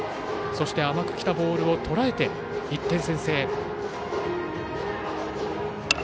そして甘く来たボールをとらえて１点を先制。